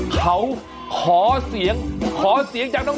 เขาขอเสียงขอเสียงจากน้อง